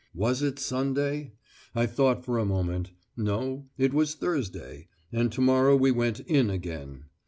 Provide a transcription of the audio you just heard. Was it Sunday? I thought for a moment. No, it was Thursday, and to morrow we went "in" again.